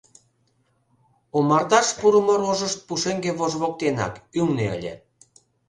Омарташ пурымо рожышт пушеҥге вож воктенак, ӱлнӧ ыле.